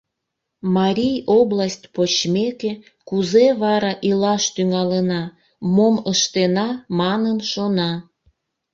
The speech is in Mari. Марий область почмеке, кузе вара илаш тӱҥалына, мом ыштена манын шона.